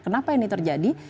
kenapa ini terjadi